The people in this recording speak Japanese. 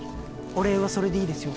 お礼はそれでいいですよ